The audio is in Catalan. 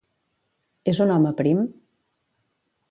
És un home prim?